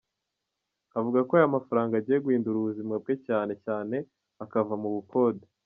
Avuga ko aya mafaranga agiye guhindura ubuzima bwe cyane cyane akava mu bukode.